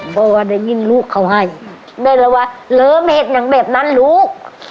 เพราะว่าได้ยินลูกเขาให้แม่แล้วว่าเหลือเม็ดอย่างแบบนั้นลูก